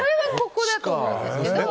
ここだと思いますけど。